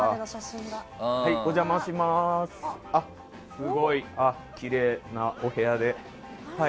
すごい、きれいなお部屋で。